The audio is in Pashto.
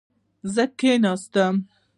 زه کینه نه ساتم.